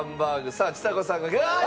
さあちさ子さんがああっ！